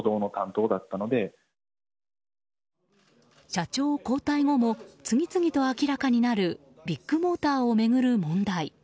社長交代後も次々と明らかになるビッグモーターを巡る問題。